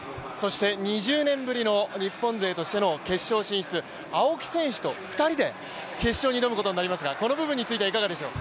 ２０年ぶりの日本勢としての決勝進出、青木選手と２人で決勝に挑むことになりますがこの部分についてはいかがでしょう？